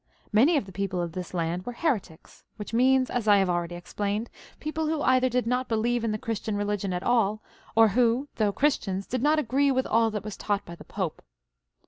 Many of the people of this land were heretics ; which means, as I have already explained, people who either did not believe in the Christian religion at all, or who, though Christians, did not agree with all that was taught by the Pope.